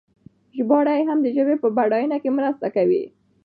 ژباړې هم د ژبې په بډاینه کې مرسته کوي.